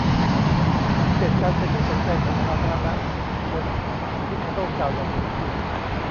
ผมเกลียดการเป็นที่สนใจของสาธารณะชน ริคาร์โด้กล่าวอย่างขมขื่น